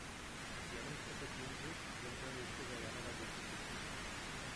Janův otec Jindřich zemřel ještě za Janova dětství.